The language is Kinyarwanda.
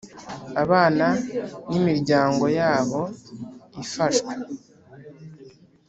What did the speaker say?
Abana nimiryango yabo ifashwe.